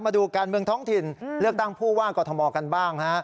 มาดูการเมืองท้องถิ่นเลือกตั้งผู้ว่ากรทมกันบ้างฮะ